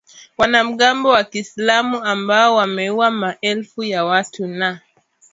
wanamgambo wa kiislam ambao wameua maelfu ya watu na